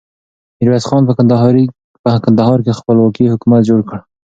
ميرويس خان په کندهار کې خپلواک حکومت جوړ کړ.